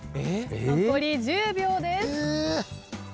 残り１０秒です。え！？